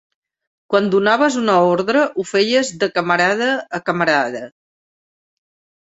Quan donaves una ordre ho feies de camarada a camarada